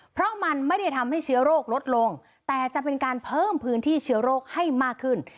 เพราะมันไม่ได้ทำให้เชื้อโรคลดลงแต่จะเป็นการเพิ่มพื้นที่เชื้อโรคให้มากขึ้น